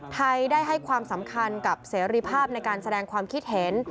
ไทยได้ให้ความสำคัญกับเสรีภาพในการแสดงความคิดเห็น